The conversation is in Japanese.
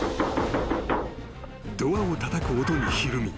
［ドアをたたく音にひるみ